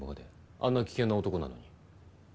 あんな危険な男なのに。